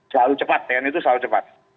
selalu cepat tni itu selalu cepat